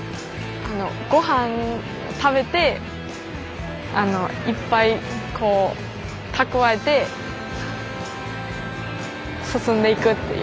ごはん食べていっぱい蓄えて進んでいくっていう。